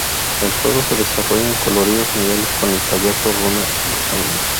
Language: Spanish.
El juego se desarrolla en coloridos niveles, con el payaso "Ronald Mc.